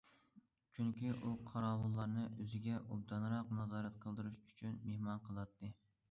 چۈنكى ئۇ قاراۋۇللارنى ئۆزىگە ئوبدانراق نازارەت قىلدۇرۇش ئۈچۈن مېھمان قىلاتتى.